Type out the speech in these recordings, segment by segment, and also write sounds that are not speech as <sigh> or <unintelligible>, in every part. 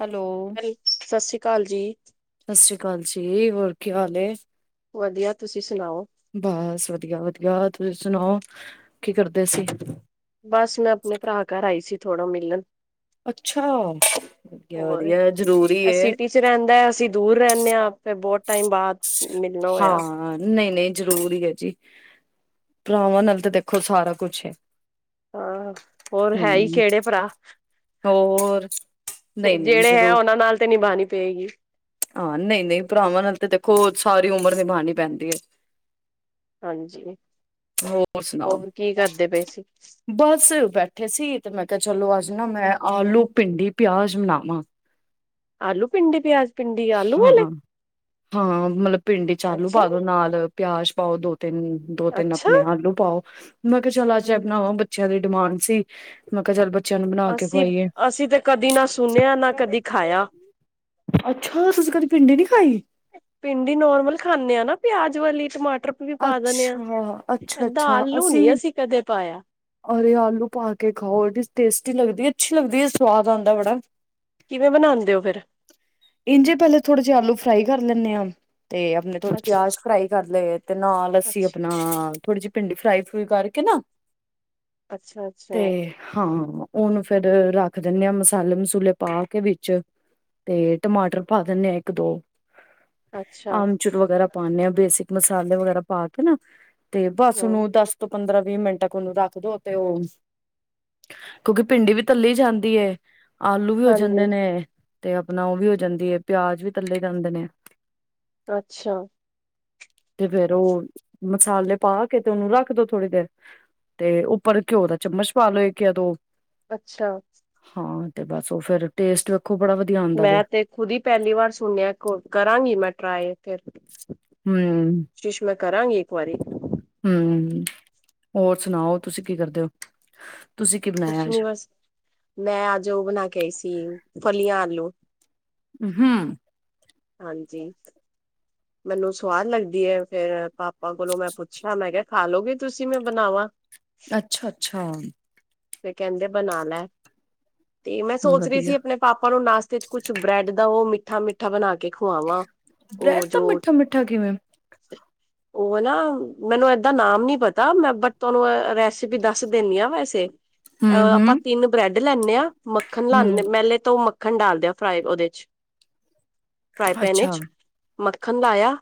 Hello ਹੈਲ ਸਤਿ ਸ੍ਰੀ ਅਕਾਲ ਜੀ। ਸਤਿ ਸ਼੍ਰੀ ਅਕਾਲ ਜੀ, ਹੋਰ ਕੀ ਹਾਲ ਏ? ਵਧੀਆ, ਤੁਸੀਂ ਸੁਣਾਓ। ਬਸ ਵਧੀਆ -ਵਧੀਆ ਤੁਸੀਂ ਸੁਣਾਓ ਕੀ ਕਰਦੇ ਸੀ? ਬਸ ਮੈਂ ਆਪਣੇ ਭਰਾ ਘਰ ਆਈ ਸੀ ਥੋੜਾ ਮਿਲਣ। ਅੱਛਾ ਵਧੀਆ- ਹੋਰ ਵਧੀਆ ਜ਼ਰੂਰੀ ਇਹ ਏੇ ਸਿਟੀ ਰਹਿੰਦਾ ਹੈ, ਅਸੀਂ ਦੂਰ ਰਹਿੰਦੇ ਹਾਂ, ਫੇਰ ਬਹੁਤ ਟਾਈਮ ਬਾਅਦ ਮਿਲਣਾ ਹੋਇਆ। ਹਾਂ ਨਹੀਂ -ਨਹੀਂ ਜ਼ਰੂਰੀ ਹੈ ਜੀ ਭਰਾਵਾਂ ਨਾਲ ਤਾਂ ਦੇਖੋ ਸਾਰਾ ਕੁਛ ਹੈ। ਹਾਂ ਹੋਰ ਹੈ ਈ ਹਮ ਕਿਹੜੇ ਭਰਾ। ਹੋਰ ਤੇ ਨਹੀਂ ਨਹੀਂ ਜਿਹੜੇ ਹੈ, ਜ਼ਰੂਰ ਉਹਨਾਂ ਨਾਲ ਤੇ ਨਿਭਾਣੀ ਪਏਗੀ। ਹਾਂ ਨਹੀਂ -ਨਹੀਂ ਭਰਾਵਾਂ ਨਾਲ ਤੇ ਦੇਖੋ, ਸਾਰੀ ਉਮਰ ਨਿਭਾਉਣੀ ਪੈਂਦੀ ਏ ਹਾਂਜੀ, ਹੋਰ ਸੁਣਾਓ ਹੋਰ ਕੀ ਕਰਦੇ ਪਏ ਸੀ ਤੁਸੀ? ਬਸ ਬੈਠੇ ਸੀ, ਤੇ ਮੈਂ ਕਿਹਾ ਚਲੋ ਅੱਜ ਨਾ ਮੈਂ ਆਲੂ, ਭਿੰਡੀ, ਪਿਆਜ ਬਨਾਵਾਂ। ਆਲੂ, ਭਿੰਡੀ, ਪਿਆਜ? ਪਿੰਡੀ, ਆਲੂ ਹਾਂ ਵਾਲੇ, -ਹਾਂ ਮਤਲਬ ਭਿੰਡੀ ਚ ਆਲੂ ਅੱਛਾ, ਪਾਦੋ ਨਾਲ। ਪਿਆਜ ਪਾਓ ਦੋ ਤਿੰਨ ਦੋ ਤਿੰਨ ਅੱਛਾ ਆਪਣੇ ਆਲੂ ਪਾਓ ਮੈਂ ਕਿਹਾ ਚਲ ਅੱਜ ਇਹ ਬਣਾਵਾਂ ਬੱਚਿਆਂ ਦੀ ਡਿਮਾਂਡ ਸੀ ਮੈਂ ਕਿਹਾ ਚਲ ਬ ਅਸੀਂ ਅਸੀਂ ਤੇ ਕਦੀ ਨਾ ਸੁਣਿਆ ਨਾ ਕਦੀ ਖਾਇਆ- ਹੋ ਤੁਸੀਂ ਕਦੀ ਭਿੰਡੀ ਨੀ ਖਾਈ? ਭਿੰਡੀ ਨੋਰਮਲ ਖਾਂਦੇ ਆ ਨਾ, ਪਿਆਜ ਵਾਲੀ ਟਮਾਟਰ ਵੀ ਪਾ ਦੇਨੇ ਆ ਅੱਛਾ ਅੱਛਾ ਏਂਂਦਾ ਅੱਛਾ ਆਲੂ ਨੀ ਅਸੀਂ ਕਦੇ ਪਾਇਆ। ਅਰੇ ਆਲੂ ਪਾ ਕੇ ਖਾਓ, ਟੇਸਟੀ ਲਗਦੀ ਏ ਅੱਛੀ ਲੱਗਦੀ ਏ ਸਵਾਦ ਆਉਂਦਾ ਬੜਾ। ਕਿਵੇਂ ਬਣਾਉਂਦੇ ਹੋ ਫਿਰ? ਇੰਝੇ ਪਹਿਲੇ ਥੋੜੇ ਜਿਹੇ ਆਲੂ ਫਰਾਈ ਕਰ ਲੈਨੇ ਆਂ ਤੇ ਆਪਣੇ ਥੋੜੇ ਅੱਛਾ ਪਿਆਜ ਫਰਾਈ ਕਰ ਲਏ। ਤੇ ਨਾਲ ਅੱਸੀਂ ਅੱਛਾ ਆਪਣਾ ਥੋੜ੍ਹੀ ਜਿਹੀ ਭਿੰਡੀ ਫਰਾਈ ਫਰੂਈ ਕਰਕੇ ਨਾ ਅੱਛਾ -ਅੱਛਾ! ਤੇ ਹਾਂ, ਉਹਨੂ ਫੇਰ ਰੱਖ ਦਿੰਨੇ ਆਂ, ਮਸਾਲੇ ਮਸੂਲੇ ਪਾ ਕੇ ਵਿੱਚ ਤੇ ਟਮਾਟਰ ਪਾ ਦਿੰਨੇ ਆਂ ਇੱਕ ਦੋ, ਅੱਛਾ ਅਮ੍ਹਚੂਰ ਵਗੈਰਾ ਪਾਉਂਦੇ ਆ, ਬੇਸਿਕ ਮਸਾਲੇ ਵਗੈਰਾ ਪਾ ਕੇ ਨਾ ਤੇ, ਬਸ ਹਮ ਉਹਨੂੰ ਦਸ ਤੋਂ ਪੰਦਰਾਂ ਵੀਹ ਮਿੰਟ ਤੱਕ ਉਹਨੂੰ ਰੱਖ ਤੇ ਉਹ, ਕਿਉਂਕਿ ਭਿੰਡੀ ਵੀ ਤੱਲੀ ਜਾਂਦੀਏ ਆਲੂ ਵੀ ਹੋ ਹਾਂਜੀ ਜਾਂਦੇ ਨੇ, ਤੇ ਆਪਣਾ ਉਹ ਵੀ ਹੋ ਜਾਂਦੀ ਹੈ, ਪਿਆਜ ਵੀ ਤਲੇ ਜਾਂਦੇ ਨੇ ਅੱਛਾ। ਤੇ ਫੇਰ ਉਹ ਮਸਾਲੇ ਪਾ ਕੇ, ਤੇ ਉਹਨੂੰ ਰੱਖ ਦੋ ਥੋੜੀ ਦੇਰ ਤੇ ਉੱਪਰ ਘਿਓ ਦਾ ਚਮਚ ਪਾ ਲਓ, ਇਕ ਯਾ ਦੋ। ਅੱਛਾ। ਹਾਂ, ਤੇ ਬਸ ਉਹ ਫੇਰ ਟੇਸਟ ਵੇਖੋ ਬੜਾ ਵਧੀਆ ਆਉਂਦਾ ਜੇ ਮੈਂ ਤੇ ਖੁਦ ਹੀ ਪਹਿਲੀ ਵਾਰ ਸੁਣਿਆ, ਕਰਾਂਗੀ ਮੈਂ ਟਰਾਈ ਫਿਰ ਹੂ ਕੋਸ਼ਿਸ਼ ਮੈਂ ਕਰਾਂਗੀ ਇੱਕ ਵਾਰੀ ਹੂ, ਹੋਰ ਸੁਣਾਓ ਤੁਸੀਂ ਕੀ ਕਰਦੇ ਹੋ? ਤੁਸੀਂ ਕੀ ਬਣਾਇਆ ਕੁਛ ਅੱਜ ਨੀ ਬਸ, ਮੈਂ ਅੱਜ ਉਹ ਬਣਾ ਕੇ ਆਈ ਸੀ, ਫਲੀਆਂ ਆਲੂ। ਊ ਹੂ ਹਾਂਜੀ। ਮੈਨੂੰ ਸਵਾਦ ਲੱਗਦੀ ਐ, ਫੇਰ ਪਾਪਾ ਕੋਲੋਂ ਮੈਂ ਪੁੱਛਿਆ, ਮੈਂ ਖਿਆ ਖਾਲੋਗੇ ਤੁਸੀਂ, ਮੈਂ ਬਣਾਵਾਂ। ਅੱਛਾ ਅੱਛਾ। ਤੇ ਕਹਿੰਦੇ ਬਣਾ ਲੈ, ਤੇ ਮੈਂ ਸੋਚ ਰਹੀ ਵਧੀਆ ਸੀ ਆਪਣੇ ਪਾਪਾ ਨੂੰ ਨਾਸਤੇ ਚ ਕੁਛ ਬ੍ਰੈਡ ਦਾ ਉਹ ਮਿੱਠਾ ਮਿੱਠਾ ਬਣਾ ਕੇ ਖੁਵਾਵਾਂ, ਬ੍ਰੈਡ ਉਹ ਮਿੱਠਾ ਜੋ ਮਿੱਠਾ ਕਿਵੇਂ? ਉਹ ਅਨਾ ਮੈਨੂੰ ਏਦਾਂ ਨਾਮ ਨੀ ਪਤਾ, ਮੈਂ ਬਟ ਤੁਹਾਨੂੰ ਐ ਰੇਸੀਪੀ ਪੀ ਦੱਸ ਦੇਨੀ ਆ ਵੈਸੇ। ਆ ਹਮ ਆਪਾਂ ਹਮ ਤਿੰਨ ਬਰੈਡ ਲੈਨੇਂ ਆ, ਮੱਖਣ ਲਾਨੇ ਹਮ ਮਹਿਲੇ ਤੋਂ ਮੱਖਣ ਡਾਲ ਦਿਆ ਔ ਦੇ ਚ ਫਰਾਈ ਪੈਨ ਅੱਛਾ ਚ, ਮੱਖਣ ਲਾਇਆ।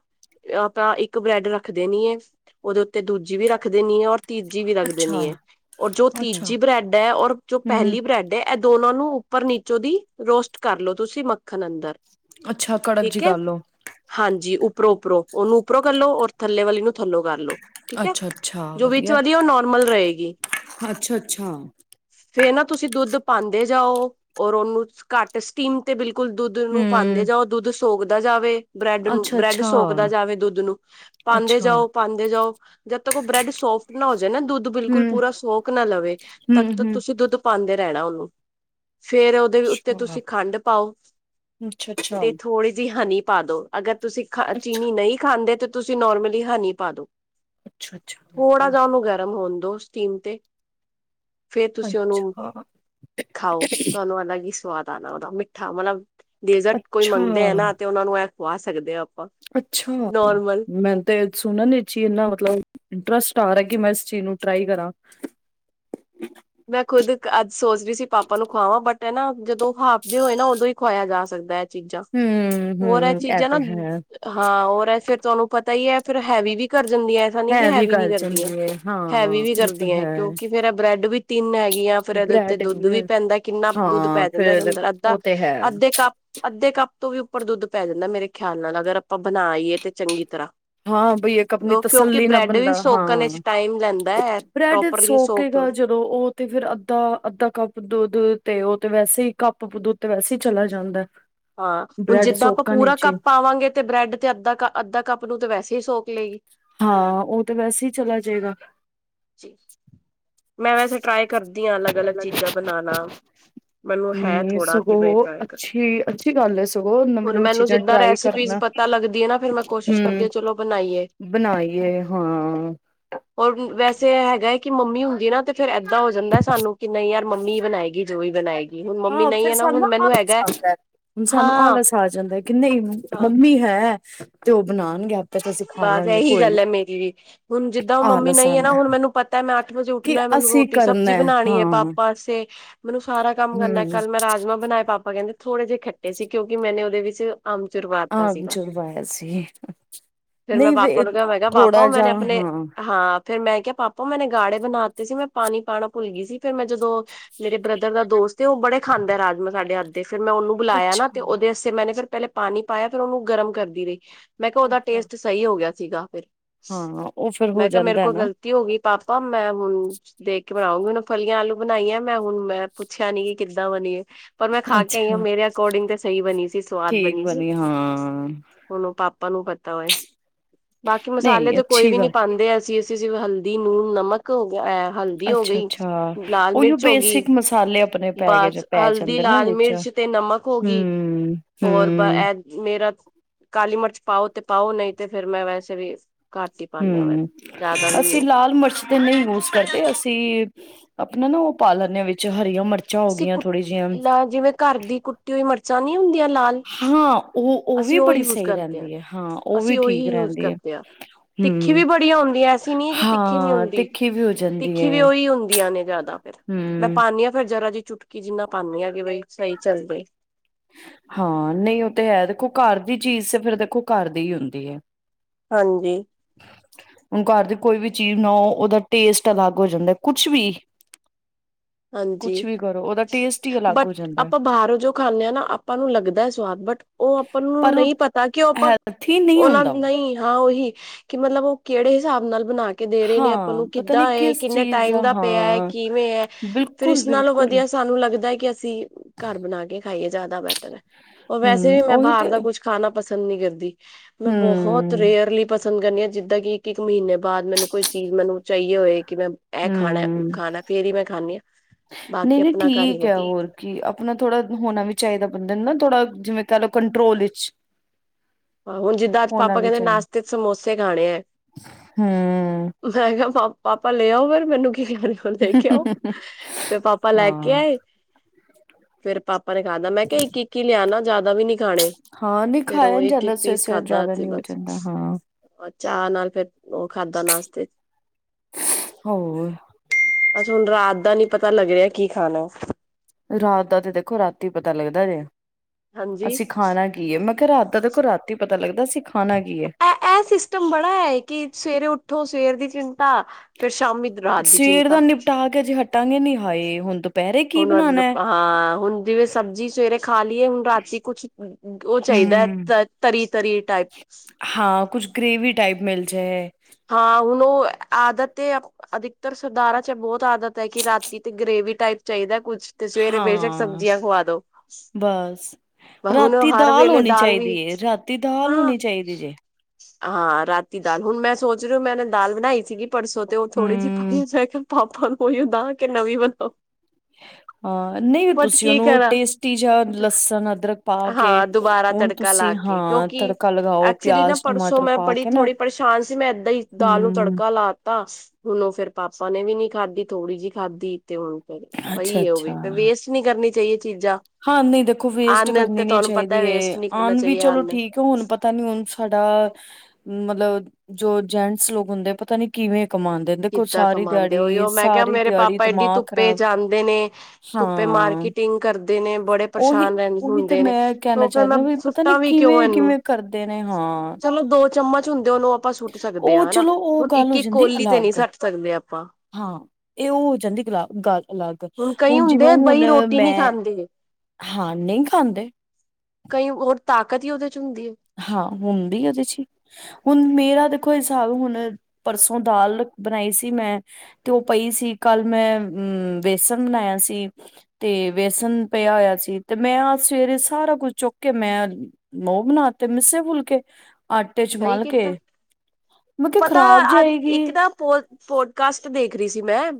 ਆਪਾਂ ਇੱਕ ਬ੍ਰੈਡ ਰੱਖ ਦੇਨੀ ਆ, ਉਹਦੇ ਉੱਤੇ ਦੂਜੀ ਵੀ ਰੱਖਦੇ ਦੇਨੀ ਆ ਔਰ ਤੀਜੀ ਵੀ ਰੱਖ ਅੱਛਾ ਦੇਣੀ ਐ, ਔਰ ਜੋ ਅੱਛਾ ਤੀਜੀ ਬ੍ਰੈਡ ਐ, ਔਰ ਜੋ ਹਮ ਪਹਿਲੀ ਬ੍ਰੈਡ ਐ ਇਹ ਦੋਨੋ ਨੂੰ ਉੱਪਰ ਨੀਚੋਂ ਦੀ ਰੋਸਟ ਕਰਲੋ ਤੁਸੀਂ ਮੱਖਣ ਅੰਦਰ‌। ਅੱਛਾ, ਕੜਕ ਜੀ ਕਰ ਲੋ। ਹਾਂਜੀ ਉੱਪਰੋਂ ਉੱਪਰੋਂ, ਉਹਨੂੰ ਉੱਪਰੋਂ ਕਰ ਲੋ, ਔਰ ਥੱਲੇ ਵਾਲੀ ਨੂੰ ਥੱਲੋਂ ਕਰ ਲੋ। ਠੀਕ ਐ, ਅੱਛਾ ਅੱਛਾ ਜੋ ਵਿੱਚ ਵਧੀਆ ਵਾਲੀ ਐ, ਉਹ ਨੋਰਮਲ ਰਹੇਗੀ। ਅੱਛਾ ਅੱਛਾ ਫੇਰ ਨਾ ਤੁਸੀਂ ਦੁੱਧ ਪਾਉਂਦੇ ਜਾਓ, ਔਰ ਉਹਨੂੰ ਘੱਟ ਸਟੀਮ ਤੇ ਬਿਲਕੁਲ ਦੁੱਧ ਨੂੰ ਪਾਉਂਦੇ ਹਮ ਜਾਓ, ਦੁੱਧ ਸੋਗਦਾ ਜਾਵੇ। ਬ੍ਰੈਡ ਨੂੰ ਅੱਛਾ ਬ੍ਰੈਡ ਅੱਛਾ ਸੋਕਦਾ ਜਾਵੇ ਦੁੱਧ ਨੂੰ, ਪਾਉਂਦੇ ਅੱਛਾ ਜਾਓ ਪਾਉਂਦੇ ਜਾਓ, ਜਦ ਤੱਕ ਉਹ ਬ੍ਰੈਡ ਸੋਫਟ ਨਾ ਹੋ ਜਾਵੇ ਨਾ ਦੁੱਧ ਬਿਲਕੁਲ ਹਮ ਪੂਰਾ ਸੋਕ ਨਾ ਲਵੇ, ਹਮ ਤਖ ਹਮ ਤੁਸੀਂ ਦੁੱਧ ਪਾਦੇ ਰਹਿਣਾ ਉਹਨੂੰ। ਫੇਰ ਉਹਦੇ ਉੱਤੇ ਅੱਛਾ ਤੁਸੀਂ ਖੰਡ ਪਾਓ, ਅੱਛਾ ਅੱਛਾ ਤੇ ਥੋੜ੍ਹੀ ਜੀ ਹਨੀ ਪਾ ਦੋ, ਅਗਰ ਤੁਸੀਂ ਅੱਛਾ ਚੀਨੀ ਨਈ ਖਾਂਦੇ ਤਾਂ ਤੁਸੀਂ ਨੋਰਮਲੀ ਹਨੀ ਪਾ ਦੋ। ਅੱਛਾ ਅੱਛਾ ਥੋੜਾ ਵਧੀਆ ਜਾ ਉਹਨੂੰ ਗਰਮ ਹੋਣ ਦੋ ਸਟੀਮ ਤੇ। ਫੇਰ ਤੁਸੀਂ ਉਹਨੂੰ ਅੱਛਾ ਖਾਓ, ਤੁਹਾਨੂੰ ਅਲਗ ਹੀ ਸਵਾਦ <unintelligible> <unintelligible> ਮਿੱਠਾ ਮਤਲਬ ਡੇਜ਼ਰਟ ਕੋਈ ਮੰਗਦੇ ਐ ਅੱਛਾ ਨਾ ਤੇ, ਉਨਾ ਨੂੰ ਐ ਖਵਾ ਸਕਦੇ ਆ ਅੱਛਾ। ਮੈਂ ਤੇ ਸੁਣਨ ਈ ਚੀ ਇਨਾ ਮਤਲਬ ਇੰਟਰਸਟ ਆ ਰਾ, ਕਿ ਮੈਂ ਇਸ ਚੀਜ਼ ਨੂੰ ਟਰਾਈ ਕਰਾਂ। ਮੈਂ ਖੁਦ ਅੱਜ ਸੋਚ ਰੀ ਸੀ, ਪਾਪਾ ਨੂੰ ਖੁਵਾਵਾਂ ਬਟ ਐਨਾ, ਜਦੋਂ ਹਾਫ ਡੇ ਹੋਏ ਨਾ ਉਦੋਂ ਹੀ ਖੁਆਇਆ ਜਾ ਸਕਦਾ ਐ। ਚੀਜ਼ਾਂ, ਹੂੰ-ਹੂੰ ਹੋਰ ਐ ਇਹ ਚੀਜ਼ਾਂ ਨਾ ਤੇ ਹੈ, ਹਾਂ, ਹੋਰ ਐ ਫਿਰ ਤੁਹਾਨੂੰ ਪਤਾ ਈ ਐ, ਫੇਰ ਹੈਵੀ ਵੀ ਕਰ ਜਾਂਦੀਆਂ, ਐਸਾ ਨੀ ਕਿ ਹੈ ਵੀ ਹੈਵੀ ਨੀ ਗੱਲ ਕਰਦੀਆਂ, ਚੰਗੀ ਏ ਹੈਵੀ ਹਾਂ। ਵੀ ਇਹ ਤੇ ਕਰਦੀਆਂ ਹੈ। ਕਿਉਂਕਿ ਫੇਰ ਐ ਬ੍ਰੈਡ ਵੀ ਹੈਗੀਆਂ ਫੇਰ ਇਦੇ ਉੱਤੇ ਦੁੱਧ ਵੀ ਪੈਂਦਾ, ਕਿੰਨਾ ਦੁੱਧ ਹਾਂ ਪੈ ਜਾਂਦਾ ਇਦੇ ਫੇਰ ਅੰਦਰ ਅੱਧਾ, ਉਹ ਤੇ ਹੈ। ਅੱਧੇ ਕੱਪ ਅੱਧੇ ਕੱਪ ਤੋਂ ਵੀ ਉੱਪਰ ਦੁੱਧ ਪੈ ਜਾਂਦਾ, ਮੇਰੇ ਖਯਾਲ ਨਾਲ ਅਗਰ ਆਪਾਂ ਬਣਾਈਏ ਤੇ ਚੰਗੀ ਤਰ੍ਹਾਂ। ਹਾਂ, ਬਈ ਇੱਕ ਆਪਣੀ ਉਹ ਕਿਉਂਕਿ ਤਸੱਲੀ ਨਾਲ, ਬ੍ਰੈਡ ਬੰਦਾ ਵੀ ਸੋਕਣ ਵਿੱਚ ਹਾਂ, ਟਾਈਮ ਲੈਂਦਾ ਹੈ ਬ੍ਰੈਡ ਪ੍ਰੋਪਰਲੀ ਸੋਕ ਸੋਕੇਗਾ ਥੋੜੀ ਜ ਉਹ ਤੇ ਫੇਰ ਅੱਧਾ-ਅੱਧਾ ਕੱਪ ਦੁੱਧ ਤੇ ਉਹ ਤੇ ਵੈਸੇ ਹੀ ਕੱਪ ਦੁੱਧ ਤੇ ਵੈਸੇ ਹੀ ਚਲਾ ਜਾਂਦਾ। ਹਾਂ, ਹੁਨ ਬ੍ਰੈਡ ਜਿੱਦਾ ਆਪਾਂ ਸੋਕਣ ਪੂਰਾ ਵਿੱਚ ਹੀ ਕੱਪ ਪਾਵਾਂਗੇ ਤੇ ਬ੍ਰੈਡ ਤੇ ਅੱਧਾ ਕ ਅੱਧਾ ਕੱਪ ਦੁੱਧ ਤੇ ਵੈਸੇ ਈ ਸੋਕ ਲੇਗੀ। ਹਾਂ, ਉ ਤੇ ਵੈਸੇ ਈ ਚਲਾ ਜੇਗਾ। ਮੈਂ ਵੈਸੇ ਟਰਾਈ ਕਰਦੀ ਆ, ਅਲੱਗ-ਅਲੱਗ ਚੀਜ਼ਾਂ ਬਨਾਨਾ। ਮੈਨੂੰ ਹੈ ਨਹੀਂ ਥੋੜਾ ਕਿ ਬਈ ਸਗੋਂ ਟਰਾਏ ਕਰਾ, ਅੱਛੀ ਅੱਛੀ ਗੱਲ ਹੈ ਸਗੋਂ ਨਵੀਂ ਹੁਨ ਨਵੀਂ ਮੈਨੂੰ ਚੀਜ਼ਾਂ ਜ਼ਿੱਦਾ ਟਰਾਈ ਰੈਸਪੀਸ ਕਰਨਾ ਪ ਤਾ ਲੱਗਦੀ ਐ ਨਾ ਫੇਰ, ਮੈਂ ਕੋਸ਼ਿਸ਼ ਕਰਦੀ ਹਮ ਆ, ਚਲੋਂ ਬਨਾਈਏ। ਬਣਾਈਏ ਹਾਂ ਹੋਰ ਵੈਸੇ ਐ ਹੈਗਾ ਹੈ ਕਿ ਮੰਮੀ ਹੁੰਦੀ ਏ ਨਾ ਤੇ ਫੇਰ ਏਦਾਂ ਹੋ ਜਾਂਦਾ ਸਾਨੂੰ, ਕਿ ਨਈ ਯਾਰ ਮੰਮੀ ਬਨਾਏਗੀ ਜੋ ਵੀ ਬਨਾਏਗੀ। ਹਾਂ, ਫੇਰ ਸਾਨੂੰ ਨਾ ਆਲਸ ਆਂਦਾ। ਹੁਨ ਸਾਨੂੰ ਹਾਂ ਆਲਸ ਆ ਜਾਂਦਾ ਐ, ਕਿ ਨਈ ਹਾਂ ਮੰਮੀ ਹੈ ਤੇ ਔ ਬਨਾਣਗੇ ਆ ਬਸ ਐਹੀ ਗੱਲ ਐ ਮੇਰੀ ਵੀ, ਹੁਨ ਜਿੱਦਾਂ ਔ ਮੰਮੀ ਆਲਸ ਨਹੀਂ ਏ ਨਾ, ਆਉਂਦਾ ਹੁਨ ਮੈਨੂੰ ਪਤਾ ਮੈਂ ਅੱਠ ਵਜੇ ਉੱਠ ਕਿ ਨਾ ਮੈਨੂੰ ਅਸੀਂ ਰੋਟੀ ਕਰਨਾ ਸਬਜ਼ੀ ਬਣਾਨੀ ਐ, ਹਾਂ ਪਾਪਾ ਅਸੇ ਮੈਨੂੰ ਸਾਰਾ ਕੰਮ ਕਰਨਾ, ਹਮ ਕੱਲ ਮੈਂ ਰਾਜਮਾ ਬਨਾਏ, ਪਾਪਾ ਕੇਂਦੇਂ ਥੋੜੇ ਜੇ ਖੱਟੇ ਸੀ, ਕਿਉਂਕਿ ਮੈਨੇ ਉਦੇ ਵਿੱਚ ਆਮਚੂਰ <unintelligible> ਆਮਚੂਰ ਪਾਯਾ ਸੀ। ਫੇਰ ਮੈਂ ਨਹੀਂ ਪਾਪਾ ਵੇ ਨੂੰ ਕਿਆ, ਮੈਂ ਕਿਆ ਪਾਪਾ ਥੋੜਾ ਮੈਂ ਜਾ ਆਪਨੇ ਹਾਂ ਹਾਂ ਫੇਰ ਮੈਂ ਕਿਆ ਪਾਪਾ ਮੈਨੇ ਗਾੜੇ ਬਨਾਤੇ ਸੀ, ਮੈਂ ਪਾਣੀ ਪਾਣਾ ਭੁੱਲ ਗੀਸੀ ਫੇਰ ਮੈਂ ਜਦੋਂ ਮੇਰੇ ਬ੍ਰਦਰ ਦਾ ਦੋਸਤ ਏ ਔ ਬੜੇ ਖਾਂਦਾ, ਰਾਜਮਾ ਸਾਡੇ ਹੱਥ ਦੇ ਫੇਰ ਮੈਂ ਉਨੂੰ ਬੁਲਾਇਆ ਨਾ, ਅੱਛਾ ਤੇ ਉਦੇ ਅਸੇ ਮੈਨੇ ਫੇਰ ਪੇਲੇ ਪਾਣੀ ਪਾਇਆ ਫਿਰ ਉਨੂੰ ਗਰਮ ਕਰਦੀ ਰਈ, ਮੈਂ ਕਿਆ ਉਦਾ ਅੱਛਾ ਸਹੀ ਹੋ ਗਿਆ ਸੀਗਾ ਫਿਰ, ਹਾਂ ਉਹ ਫਿਰ ਹੋ ਮੈਂ ਕਿਆ ਮੇਰੇ ਜਾਂਦਾ ਕੋਲ ਨਾ ਗ਼ਲਤੀ ਹੋ ਗਈ ਪਾਪਾ ਮੈਂ ਹੁਨ ਦੇਖ ਕੇ ਬਨਾਉਂਗੀ, ਹੁਨ ਫਲੀਆਂ ਆਲੂ ਬਨਾਈਆਂ ਮੈਂ ਹੁਨ ਮੈਂ ਪੁੱਛਿਆ ਨੀ ਕਿੱਦਾ ਬਨੀਆ ਔਰ ਮੈਂ ਖਾ ਕੇ ਆਈ ਆ, ਅੱਛਾ ਮੇਰੇ ਅਕੋਰਡਿੰਗ ਤੇ ਸਹੀ ਬਣੀ ਸੀ। ਠੀਕ ਬਨੀ, ਹਾਂ। ਹੁਨ ਪਾਪਾ ਨੂੰ ਪਤਾ ਔਏ, ਬਾਕੀ ਮਸਾਲੇ ਨਹੀਂ ਤੇ ਕੋਈ ਅੱਛੀ ਵੀ ਗੱਲ ਨੀ ਪਾਂਦੇ ਅਸੀਂ। ਤੇ ਜਿਵੇ ਹਲਦੀ, ਨੂਨ, ਨਮਕ, ਹੋ ਗਿਆ ਐ ਹਲਦੀ ਹੋ ਗਈ, ਅੱਛਾ-ਅੱਛਾ, ਲਾਲ ਉਹੀਓ ਮਿਰਚ ਹੋਗੀ, ਬੇਸਿਕ ਮਸਾਲੇ ਆਪਣੇ ਪੈ ਗਏ ਬਸ ਪੈ ਹਲਦੀ, ਜਾਂਦੇ ਨਾ ਲਾਲ ਵਿੱਚ ਮਿਰਚ ਤੇ ਨਮਕ ਹੋਗੀ, ਹੂੰ, ਹੋਰ ਬ ਹੂੰ, ਐ ਮੇਰਾ, ਕਾਲੀ ਮਿਰਚ ਪਾਓ ਤੇ ਪਾਓ, ਨਹੀਂ ਤੇ ਫੇਰ ਮੈਂ ਵੈਸੇ ਵੀ ਘੱਟ ਹੀ ਪਾਨੇ ਆ ਮੈਂ ਹਮ ਜ਼ਿਆਦਾ ਵੀ ਨੀ ਅਸੀਂ ਉਹ ਲਾਲ ਮਰਚ ਕੋਨੀ ਯੂਜ ਕਰਦੇ ਅਸੀਂ, ਆਪਨਾ ਨਾ ਔ ਪਾ ਲੈਂਨੇ ਆ ਵਿੱਚ ਹਰੀਆਂ ਮਰ ਅਸੀਂ ਕੁ, ਜਿਵੇਂ ਘਰ ਦੀ ਕੁੱਟੀ ਹੋਈ ਮਿਰਚਾਂ ਨੀ ਹੁੰਦੀਆਂ ਲਾਲ ਹਾਂ, ਔ-ਔ ਵੀ ਅਸੀਂ ਉਹ ਬੜੀ ਯੂਜ ਸਈ ਕਰਦੇ ਆ ਰੇਂਦੀ ਏ ਹਾਂ, ਉਹ ਵੀ ਅਸੀਂ ਠੀਕ ਉਹੀ ਯੂਜ ਰੇਂਦੀ ਏ। ਕਰਦੇ ਆ ਤਿੱਖੀ ਵੀ ਬੜੀਆਂ ਹੁੰਦੀ ਆਂ ਐਸੀ ਨਹੀਂ ਕਿ ਤਿੱਖੀ ਨੀ ਹੁੰਦੀ, ਤਿੱਖੀ ਵੀ ਹੋ ਜਾਂਦੀ ਤਿੱਖੀ ਵੀ ਹੈ ਔਈ ਹੁੰਦੀਆਂ ਨੇ ਜ਼ਿਆਦਾ ਫਿਰ। ਮੈਂ ਹੂੰ ਪਾਂਨੀ ਆ ਫੇ ਕਿਰ ਜਰਾ ਜੀ ਚੁਟਕੀ ਜਿੰਨਾ ਪਾਂਨੀ ਆ ਕਿ ਬਈ ਸਹੀ ਚੱਲ ਜੇ। ਹਾਂ, ਨਹੀਂ ਔ ਤੇ ਹੈ ਦੇਖੋ ਘਰ ਦੀ ਚੀਜ਼ ਤੇ ਫੇਰ ਦੇਖੋ ਘਰ ਦੀ ਹੀ ਹੁੰਦੀ ਏ। ਹਾਂਜੀ। ਹੁਨ ਘਰ ਦੀ ਕੋਈ ਵੀ ਚੀਜ਼ ਬਨਾਓ ਉਹਦਾ ਟੇਸਟ ਅਲੱਗ ਹੋ ਜਾਂਦਾ ਕੁਛ ਵੀ। <inaudible> ਕੁਛ ਹਾਂਜੀ, ਵੀ ਕਰੋ ਉਹਦਾ ਟੇਸਟ ਹੀ ਅਲੱਗ ਹੋ ਬਟ ਜਾਂਦਾ ਹੈ ਆਪਾਂ ਬਾਹਰੋਂ ਜੋ ਖਾਂਨੇ ਆ ਨਾ ਆਪਾਂ ਨੂੰ ਲੱਗਦਾ ਸਵਾਦ ਬਟ ਉਹ ਅਪਾਂ ਨੂੰ ਪਰ ਉਹ ਨਹੀਂ ਪਤਾ ਕਿ ਉਹ ਅਪਾਂ ਹੈਲਥੀ ਨਹੀਂ ਉਹਨਾਂ ਹੁੰਦਾ ਨ ਉਹ ਨਹੀਂ ਹਾਂ ਉਹੀ ਕਿ ਮਤਲਬ ਉਹ ਕਿਹੜੇ ਹਿਸਾਬ ਨਾਲ ਬਨਾ ਕੇ ਦੇ ਰਹੇ ਨੇ ਆਪਾਂ ਹਾਂ ਨੂੰ, ਪਤਾ ਨੀ ਕਿੱਦਾਂ ਹੈ ਕਿਸ ਕਿੰਨੇ ਚੀਜ਼ ਟਾਈਮ ਦਾ ਪਿਆ ਹਾਂ ਕਿਵੇ ਹੈ ਫਿਰ ਬਿਲਕੁਲ ਇਸ ਨਾਲੋਂ ਬਿਲਕੁਲ ਵਧੀਆ ਸਾਨੂੰ ਲੱਗਦਾ ਕਿ ਅਸੀਂ ਘਰ ਬਨਾ ਕੇ ਖਾਈਏ ਜਿਆਦਾ ਬੇਟ ਤਰ ਹੇ, ਉਹ ਵੈਸੇ ਹਮ ਵੀ ਮੈਂ ਉਹੀ ਬਾਹਰ ਤੇ ਦਾ ਕੁਛ ਖਾਨਾ ਪਸੰਦ ਨਹੀਂ ਕਰਦੀ ਮੈਂ ਬਹੁਤ ਹਮ ਰੇਅਰਲੀ ਪਸੰਦ ਕਰਨੀ ਆ, ਜਿੱਦਾਂ ਕਿ ਇੱਕ ਇੱਕ ਮਹੀਨੇ ਬਾਅਦ ਮੈਨੂੰ ਕੋਈ ਚੀਜ ਮੈਨੂੰ ਚਾਹੀਏ ਹੋਏ ਕਿ ਮੈਂ ਇਹ ਖਾਣਾ ਓਹ ਖਾਣਾ ਫੇਰ ਹੀ ਮੈਂ ਖਾਂਨੀ ਹਾ। ਨਹੀਂ-ਨਹੀਂ ਠੀਕ ਹੈ ਹੋਰ ਕਿ ਅਪਣਾ ਥੋੜਾ ਹੋਨਾ ਵੀ ਚਾਹੀਦਾ ਬੰਦੇ ਨੂੰ ਨਾ, ਥੋੜਾ ਜਿਵੇਂ ਕਿਹਲੋ ਕੰਟਰੋਲ ਇਚ ਹਾ ਹੁਣ ਜਿੱਦਾਂ ਅੱਜ ਪਾਪਾ ਕਹਿੰਦੇ ਚਾਹੀਦਾ ਨਾਸ਼ਤੇ ਚ ਸਮੋਸੇ ਖਾਣੇ ਹੈ। ਹਮ ਮੈਂ ਕਿਹਾ ਪਾ ਪਾਪਾ ਲੇ ਆਓ ਫੇਰ ਮੈਨੂੰ ਕੀ ਕਹ ਰਏ ਹੋ। ਲੈ ਕੇ ਆਓ ਫੇਰ ਪਾਪਾ ਲੈ ਹਾਂ ਕੇ ਆਏ। ਫੇਰ ਪਾਪਾ ਨੇ ਖਾਦਾ ਮੈਂ ਕਿਹਾ ਇੱਕ-ਇੱਕ ਹੀ ਲਿਆਣਾ ਜਿਆਦਾ ਵੀ ਨੀ ਖਾਣੇ ਹਾਂ ਨਹੀਂ ਫੇਰ ਉਹ ਖਾਇਆ ਨੀ ਇਕ ਇਕ ਜਾਂਦਾ ਸਵੇਰੇ ਪੀਸ ਸਵੇਰੇ ਖਾਦਾ ਜ਼ਿਆਦਾ ਅਸੀਂ ਨੀ ਹੋ ਬਸ ਜਾਂਦਾ ਹਾਂ ਔਰ ਚਾਹ ਨਾਲ ਫੇਰ ਉਹ ਖਾਦਾ ਨਾਸਤੇ ਚ। ਹੋਰ ਅੱਛਾ ਹੁਨ ਰਾਤ ਦਾ ਨੀ ਪਤਾ ਲੱਗ ਰਿਹਾ ਕੀ ਖਾਨਾ। ਰਾਤ ਦਾ ਤੇ ਦੇਖੋ ਰਾਤੀ ਪਤਾ ਲੱਗਦਾ ਜੈ ਹਾਂਜੀ ਅਸੀਂ ਖਾਣਾ ਕੀ ਏ, ਮੈਂ ਕਿਆ ਰਾਤ ਦਾ ਦੇਖੋ ਰਾਤੀ ਪਤਾ ਲੱਗਦਾ ਅਸੀ ਖਾਨਾ ਕੀ ਏ। ਇਹ ਇਹ ਸਿਸਟਮ ਬੜਾ ਹੈ ਕਿ ਸਵੇਰੇ ਉਠੋ ਸਵੇਰ ਦੀ ਚਿੰਤਾ ਫਿਰ ਸ਼ਾਮੀ ਰਾਤ ਦੀ ਸਵੇਰ ਦਾ ਚਿੰਤਾ। ਨਿਪਟਾ ਕੇ ਅਜੇ ਹਟਾਂਗੇ ਨੀ ਹਾਏ ਹੁਨ ਤ ਹਾ ਹੁਨ ਜਿਵੇਂ ਸਬਜ਼ੀ ਸਵੇਰੇ ਖਾ ਲਈ ਏ ਹੁਨ ਰਾਤੀ ਕੁਛ ਉਹ ਚਾਹੀਦਾ ਹਮ ਤ ਤਰੀ-ਤਰੀ ਟਾਈਪ। ਹਾਂ ਕੁਛ ਗ੍ਰੇਵੀ ਟਾਈਪ ਮਿਲ ਜਾਏ। ਹਾਂ ਹੁਣ ਉਹ ਆਦਤ ਤੇ ਅਪ ਅਧਿਕਤਰ ਸਰਦਾਰਾ ਚ ਬਹੁਤ ਆਦਤ ਹੈ ਕਿ ਰਾਤੀ ਤੇ ਗ੍ਰੇਵੀ ਟਾਈਪ ਚਾਹੀਦਾ ਕੁਛ। ਤੇ ਸਵੇਰੇ ਬੇਸ਼ੱਕ ਹਾਂ ਸਬਜ਼ੀਆਂ ਖਵਾ ਦੋ ਬਸ ਹੁਨ ਹਰ ਵੇਲੇ ਦਾਲ ਵੀ ਦੀ ਦਾਲ ਹਾਂ ਹੋਨੀ ਚਾਹੀਦੀ ਜੇ। ਹਾਂ ਰਾਤੀ ਦਾਲ ਹੁਨ ਮੈਂ ਸੋਚ ਰਹੀ ਹੋ ਮੈਂ ਹੁਨ ਦਾਲ ਬਨਾਈ ਸੀਗੀ। ਪਰਸੋ ਤੇ ਉਹ ਥੋੜ੍ਹੀ ਜਿਹੀ ਹਮ ਪਾਈ ਜਾ ਕੇ ਪਾਪਾ ਨੂੰ ੳਈੳ ਦਾਂ ਕਿ ਨਵੀਂ ਬੱਨਾ। ਹ <inaudible> <inaudible> ਹ ਨਹੀਂ ਤੁਸੀਂ ਉਹਨੂੰ ਟੇਸਟੀ ਜਿਹਾ ਲਸਨ ਅਦਰਕ ਪਾ ਕੇ ਹੁਨ ਤਰਕਾ ਲਾ ਕੇ ਕਿਉਂਕਿ ਐਕਚੁਲੀ ਨਾ ਪਿਆਜ ਪਰਸੋਂ ਟਮਾਟਰ ਮੈਂ ਪਾ ਪੜੀ ਕੇ ਨਾ ਥੋੜੀ ਪਰੇਸ਼ਾਨ ਸੀ। ਮੈਂ ਏਦਾਂ ਹੀ ਦਾਲ ਨੂੰ ਹਮ ਤੜਕਾ ਲਾ ਤਾ ਹੁਨ ਉਹ ਫੇਰ ਪਾਪਾ ਨੇ ਵੀ ਨੀ ਖਾਧੀ ਥੋੜੀ ਜਿ ਖਾਧੀ ਤੇ ਹੁਨ ਪਈ ਅੱਛਾ ਏ ਉਹ ਵੀ ਅੱਛਾ ਵੇਸਟ ਨੀ ਕਰਨੀ ਚਾਹੀੲ। ਹਾਂ ਨਹੀਂ ਦੇਖੋ ਵੇਸਟ ਕਰਨੀ ਨੀ ਤੁਹਾਨੂੰ ਪਤਾ ਚਾਹੀਦੀ ਹੈ ਵੇਸਟ ਨਹੀਂ ਕਰਨਾ ਆਨ ਵੀ ਚਾਹੀਏ ਚਲੋ ਅੰਨ ਠੀਕ ਕਿਉਂ ਹੁਨ ਪਤਾ ਨੀ ਹੁਨ ਸਾਡਾ ਮਤਲਬ ਜੋ ਜੈਂਟਸ ਲੋਕ ਹੁੰਦੇ ਪਤਾ ਨੀ ਕਿਵੇਂ ਕਮਾਂਦੇ। ਕਿੱਦਾਂ ਕਮਾਦੇ ਓਹੀੳ ਮੈਂ ਕਿਹਾ ਮੇਰੇ ਦਿਹਾੜੀ ਪਾਪਾ ਏਡੀ ਦਿਮਾਗ ਧੁੱਪੇ ਖ਼ਰਾਬ ਜਾਂਦੇ ਨੇ ਧੁੱਪੇ ਹਾਂ ਮਾਰਕੀਟਿੰਗ ਕਰਦੇ ਨੇ ਬੜੇ ਉਹੀ ਪਰੇਸ਼ਾਨ ਰਹਿੰ ਉਹੀ ਤੇ ਹੁੰਦੇ ਨੇ ਮੈਂ ਕਹਿਣਾ ਉਹ ਫੇਰ ਚਾਹ ਰਹੀ ਮੈਂ ਹਾਂ ਵੀ ਪਤਾ ਨੀ ਸੁੱਟਾਂ ਵੀ ਕਿਉਂ ਕਿਵੇਂ ਇਹਨੂੰ ਕਿਵੇਂ ਕਰਦੇ ਨੇ ਹਾਂ ਚਲੋ ਦੋ ਚਮਚ ਹੁੰਦੇ ਉਹਨੂੰ ਆਪਾਂ ਸੁੱਟ ਸਕਦੇ ਉਹ ਹਾਂ ਹਨਾ ਚਲੋ ਉਹ ਹੁਨ ਗੱਲ ਇੱਕ, ਹੋ ਇੱਕ ਜਾਂਦੀ ਕੋਲੀ ਤੇ ਨੀ ਅਲੱਗ ਸੱਟ ਸਕਦੇ ਅਪਾਂ। ਹਾਂ ਏਹ ਔਹ ਹੋ ਜਾਂਦੀ ਗਲਾ ਗੱਲ ਅਲੱਗ ਕਈ ਹੁਣ ਜਿਵੇਂ ਹੁੰਦੇ ਆ ਹੁਣ ਬਈ ਰੋਟੀ ਨਹੀਂ ਮੈਂ ਖਾਂਦੇ ਹਾਂ ਨਈ ਖਾਂਦੇ। ਕਈ ਹੋਰ ਤਾਕਤ ਈ ਔਦੇ ਚ ਹੁੰਦੀ ਏ। ਹਾਂ ਹੁੰਦੀ ਔਦੇ ਚੀ। ਹੁਣ ਮੇਰਾ ਦੇਖੋ ਹਿਸਾਬ ਹੁਣ ਪਰਸੋਂ ਦਾਲ ਬਣਾਈ ਸੀ ਮੈਂ ਤੇ ਔ ਪਈ ਸੀ ਕੱਲ ਮੈਂ ਹਮਮ ਵੇਸਣ ਬਣਾਇਆ ਸੀ ਤੇ ਵੇਸਨ ਪੇਯਾ ਹੋਯਾ ਸੀ ਤੇ ਮੈਂ ਅਜ ਸਵੇਰੇ ਸਾਰਾ ਕੁੱਛ ਚੁੱਕ ਕੇ ਮੈਂ ਮੈ ਔਹ ਬਨਾਤੇ ਮਿੱਸੇ ਫੁਲਕੇ ਹਹ ਆਟੇ ਚ ਸਹੀ ਮਲ ਕੇ ਕੀਤਾ। ਮੈ ਕਯਾ ਪਤਾ ਖ਼ਰਾਬ ਅੱਜ ਜਾਏਗੀ। ਇੱਕ ਨਾ ਪੋ ਪੋਡਕਾਸਟ ਦੇਖ ਰੀ ਸੀ ਮੈਂ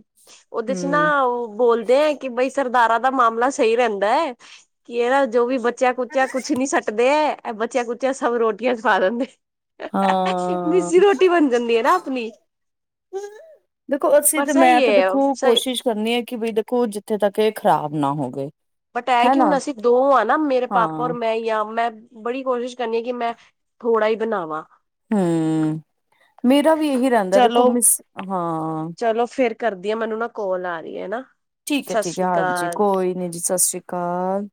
ਔਦੇ ਚ ਨਾ ਹਮ ਔਹ ਬੋਲਦੇ ਕਿ ਬਈ ਸਰਦਾਰਾਂ ਦਾ ਮਾਮਲਾ ਸਈ ਰੈਂਦਾ ਹੈ ਕਿ ਏਨਾ ਜੋ ਵੀ ਬੱਚ ਚੇਯਾ ਕੁਚਿਆ ਕੁਛ ਨੀ ਸੱਟਦੇ ਐ ਬੱਚਿਆਂ ਕੁੱਚਿਆਂ ਸਭ ਰੋਟੀਆਂ ਚ ਪਾ ਦਿੰਦੇ। <unintelligible> ਹਾਂ ਮਿੱਸੀ ਰੋਟੀ ਬਣ ਜਾਂਦੀ ਐ ਨਾ ਅਪਣੀ। ਦੇਖੋ ਅਸੀਂ ਤੇ ਮੈਂ ਤੇ ਹੈ ਦੇਖੋ ਸਹੀ ਕੋਸ਼ਿਸ਼ ਕਰਨੀ ਐ ਕਿ ਬੀ ਦੇਖੋ ਜਿੱਥੇ ਤੱਕ ਏਹ ਖਰਾਬ ਨਾ ਹੋਵੇ। ਬਟ ਏਹ ਕਿ ਹੈਨਾ ਹੁਣ ਅਸੀਂ ਦੋ ਆ ਨਾ ਮੇਰੇ ਪਾਪਾ ਹਾਂ ਔਰ ਮੈਂ ਈ ਆਂ ਮੈਂ ਬੜੀ ਕੋਸ਼ਿਸ਼ ਕਰਨੀ ਆ ਕਿ ਮੈਂ ਥੋੜਾ ਈ ਬਨਾਵਾਂ। ਹਮ, ਮੇਰਾ ਵੀ ਏਹੀ ਰੈਂਦਾ ਕਿ ਦੇਖੋ ਚਲੋ ਮਿਸ ਹਾਂ। ਚਲੋ ਫਿਰ ਕਰਦੀਆਂ ਮੈਨੂੰ ਨਾ ਕੋਲ ਆ ਰੀ ਐ ਨਾ। ਠੀਕ ਸਤਿ ਐ-ਠੀਕ ਐ ਸ੍ਰੀ ਹਾਂਜੀ ਅਕਾਲ ਕੋਈ ਨੀ ਜੀ ਸਸੀਕਾਲ।